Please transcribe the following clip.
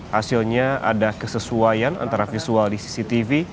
hasilnya ada kesesuaian antara visual di cctv